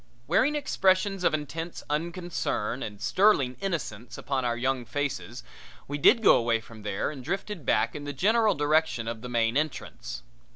Wearing expressions of intense unconcern and sterling innocence upon our young faces we did go away from there and drifted back in the general direction of the main entrance.